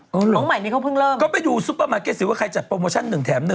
น้องใหม่นี่เขาเพิ่งเริ่มก็ไปดูซุปเปอร์มาร์เก็ตสิว่าใครจัดโปรโมชั่น๑แถม๑